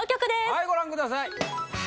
はいご覧ください